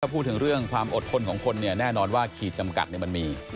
พูดถึงเรื่องความอดทนของคนแน่นอนว่าขีดจำกัดมันมี